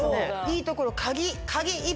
いいところ鍵鍵。